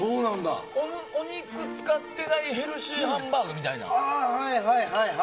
お肉を使ってないヘルシーハンバーグみたいな。